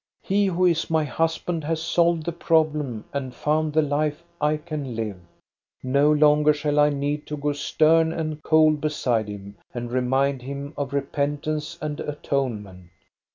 He who is my husband has solved the problem, and found the life I can live. No longer shall I need to go stern and cold beside him, and remind him of repentance and atonement.